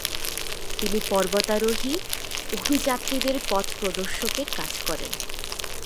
তিনি পর্বতারোহী, অভিযাত্রীদের পথ প্রদর্শকের কাজ করেন।